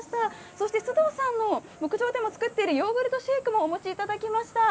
そして須藤さんの牧場でも作っているヨーグルトシェイクもお持ちいただきました。